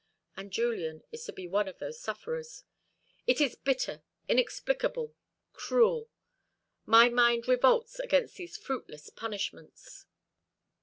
And Julian is to be one of those sufferers. It is bitter, inexplicable, cruel. My soul revolts against these fruitless punishments."